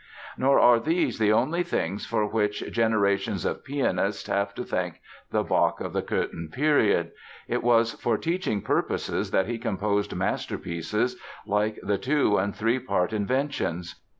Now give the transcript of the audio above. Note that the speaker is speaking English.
Nor are these the only things for which generations of pianists have to thank the Bach of the Cöthen period. It was for teaching purposes that he composed masterpieces like the Two and the Three Part Inventions.